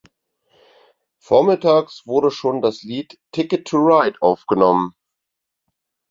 Vormittags wurde schon das Lied "Ticket to Ride" aufgenommen.